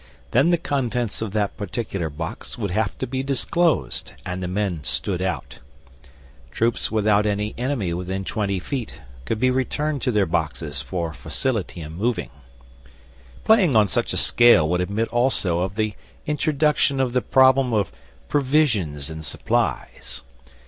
Then the contents of that particular box would have to be disclosed and the men stood out. Troops without any enemy within twenty feet could be returned to their boxes for facility in moving. Playing on such a scale would admit also of the introduction of the problem of provisions and supplies.